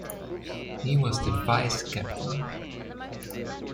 He was the vice captain.